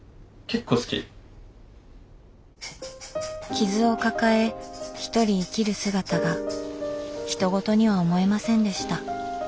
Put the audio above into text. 傷を抱えひとり生きる姿がひと事には思えませんでした。